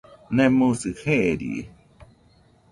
Nemosɨ jeerie.